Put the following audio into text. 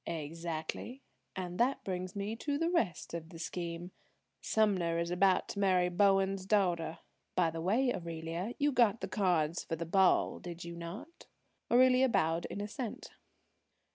"Exactly. And that brings me to the rest of the scheme. Sumner is about to marry Bowen's daughter. By the way, Aurelia, you got the cards for the ball, did you not?" Aurelia bowed in assent.